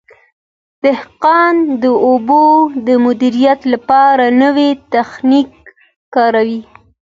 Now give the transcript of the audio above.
دهقان د اوبو د مدیریت لپاره نوی تخنیک کاروي.